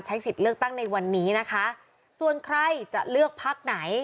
สิทธิ์เลือกตั้งในวันนี้นะคะส่วนใครจะเลือกพักไหน